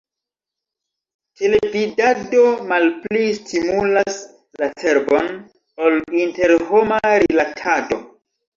Televidado malpli stimulas la cerbon ol interhoma rilatado!